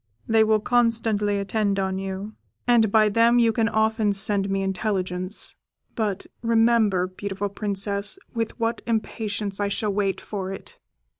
They will constantly attend on you, and by them you can often send me intelligence; but remember, beautiful Princess, with what impatience I shall wait for it!"